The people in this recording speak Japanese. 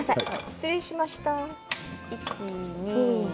失礼しました。